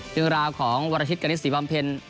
เรื่องราวของวรชิตกณิตศรีบำเพ็ญ